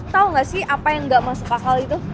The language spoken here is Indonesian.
tau gak sih apa yang gak masuk akal itu